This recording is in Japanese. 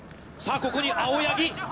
さあ、ここに青柳。